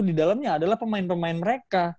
di dalamnya adalah pemain pemain mereka